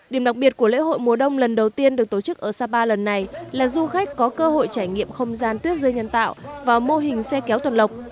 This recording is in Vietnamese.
điểm đặc biệt của lễ hội mùa đông lần đầu tiên được tổ chức ở sapa lần này là du khách có cơ hội trải nghiệm không gian tuyết rơi nhân tạo và mô hình xe kéo tuần lộc